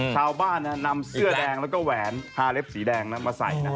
ชาวบ้านนำเสื้อแดงแล้วก็แหวนฮาเล็บสีแดงมาใส่